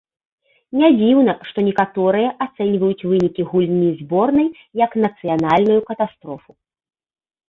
Не дзіўна, што некаторыя ацэньваюць вынікі гульні зборнай як нацыянальную катастрофу.